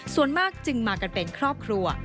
ส่วนมากจึงมากันเป็นครอบครัว